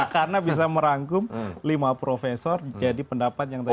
karena bisa merangkum lima profesor jadi pendapat yang tadi